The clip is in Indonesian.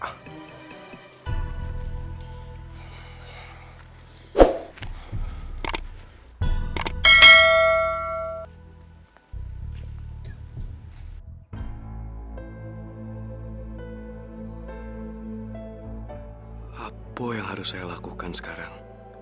apa yang harus saya lakukan sekarang